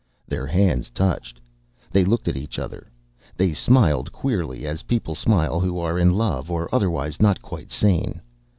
Their hands touched. They looked at each other. They smiled queerly, as people smile who are in love or otherwise not quite sane.